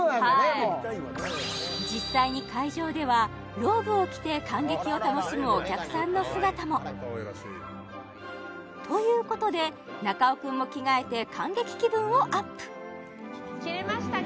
もうはい実際に会場ではローブを着て観劇を楽しむお客さんの姿もということで中尾くんも着替えて観劇気分をアップ着れましたか？